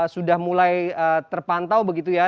sudah mulai terpantau begitu ya